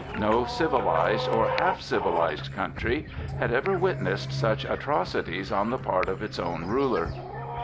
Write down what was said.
No civilized, or half civilized country had ever witnessed such atrocities on the part of its own ruler.